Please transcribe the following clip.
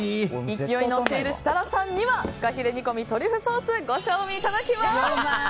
勢いに乗っている設楽さんにはふかひれ煮込みトリュフソースご賞味いただきます。